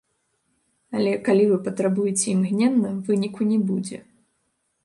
Але калі вы патрабуеце імгненна, выніку не будзе.